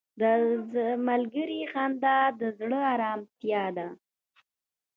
• د ملګري خندا د زړه ارامتیا ده.